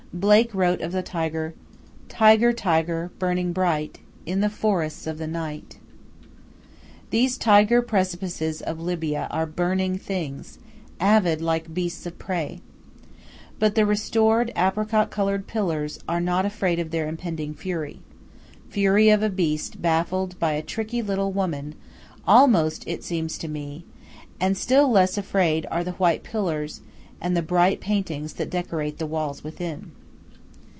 Blake wrote of the tiger: "Tiger, tiger, burning bright In the forests of the night." These tiger precipices of Libya are burning things, avid like beasts of prey. But the restored apricot colored pillars are not afraid of their impending fury fury of a beast baffled by a tricky little woman, almost it seems to me; and still less afraid are the white pillars, and the brilliant paintings that decorate the walls within.